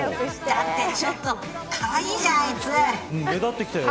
だってかわいいじゃんあいつ。